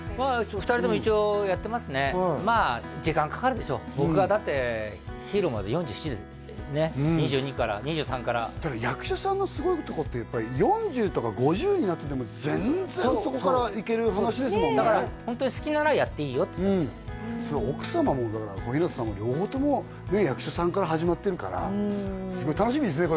２人とも一応やってますねまあ時間かかるでしょう僕がだって「ＨＥＲＯ」まで４７ですねっ２２から２３から役者さんのすごいとこってやっぱり４０とか５０になってても全然そこからいける話ですもんねだからホントにそれは奥様も小日向さんも両方とも役者さんから始まってるからすごい楽しみですね